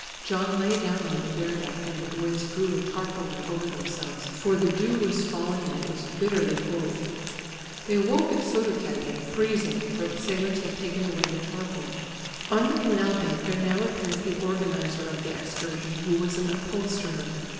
John lay down on the bare deck and the boys drew a tarpaulin over themselves, for the dew was falling and it was bitterly cold. They awoke at Södertelje, freezing, for the sailors had taken away the tarpaulin. On the canal bank there now appeared the organiser of the excursion, who was an upholsterer.